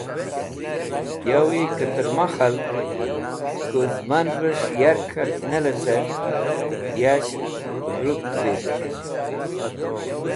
Yawi kẽtẽrma khalg k̃hũ zẽmanvẽs̃h yark k̃hak ne lecẽrt, yasht rũk vitk